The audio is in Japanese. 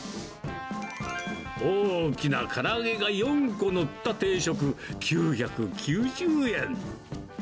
大きなから揚げが４個載った定食９９０円。